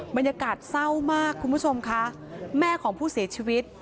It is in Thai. บรรยากาศเศร้ามากคุณผู้ชมค่ะแม่ของผู้เสียชีวิต